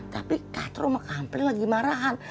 tapi kater rumah kampling lagi marahan